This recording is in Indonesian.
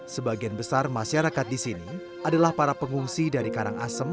sebagian besar masyarakat di sini adalah para pengungsi dari karangasem